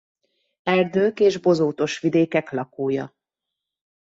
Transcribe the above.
Erdők és bozótos vidékek lakója.